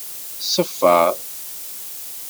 Tṣeffer.